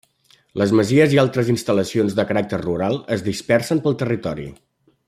Les masies i altres instal·lacions de caràcter rural es dispersen pel territori.